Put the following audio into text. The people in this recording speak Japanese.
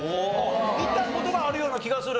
見た事があるような気がする？